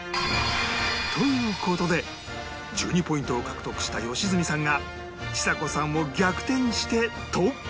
という事で１２ポイントを獲得した良純さんがちさ子さんを逆転してトップに